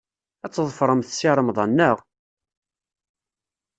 Ad tḍefremt Si Remḍan, naɣ?